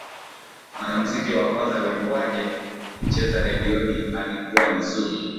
Mwanamuziki wa kwanza wimbo wake kuchezwa redioni alikuwa ni Sugu